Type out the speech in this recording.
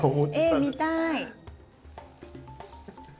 え見たい！